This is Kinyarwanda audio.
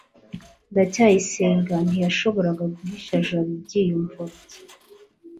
ndacyayisenga ntiyashoboraga guhisha jabo ibyiyumvo bye